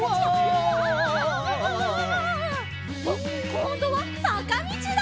こんどはさかみちだ！